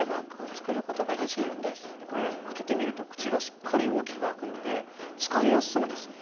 これ開けてみると口がしっかり大きく開くので使いやすそうですよね。